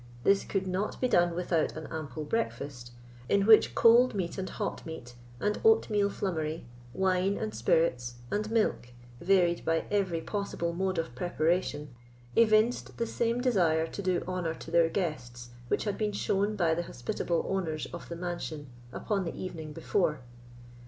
This could not be done without an ample breakfast, in which cold meat and hot meat, and oatmeal flummery, wine and spirits, and milk varied by every possible mode of preparation, evinced the same desire to do honour to their guests which had been shown by the hospitable owners of the mansion upon the evening before.